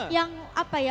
yang apa ya